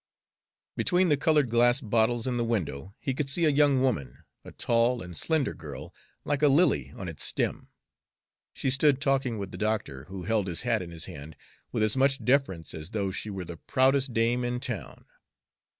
Between the colored glass bottles in the window he could see a young woman, a tall and slender girl, like a lily on its stem. She stood talking with the doctor, who held his hat in his hand with as much deference as though she were the proudest dame in town.